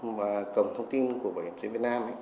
và cầm thông tin của bảo hiểm xã hội việt nam